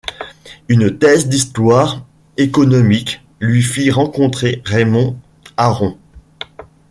Une thèse d’histoire économique lui fit rencontrer Raymond Aron.